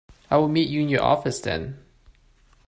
I'll meet you in your office then.